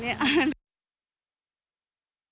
พอมีโอกาสก็จะตามไปทุกครั้ง